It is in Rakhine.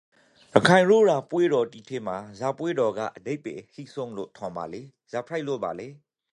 ရခိုင်ပွဲတော်တိထဲမှာဇာပွဲတော်ကအဓိပ္ပါယ်အဟိမ့်ဆုံးလို့ထင်ပါလေ။ဇာဖြိုက်လို့ပါလေ